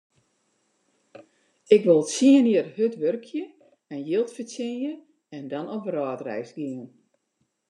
Ik wol tsien jier hurd wurkje en jild fertsjinje en dan op wrâldreis gean.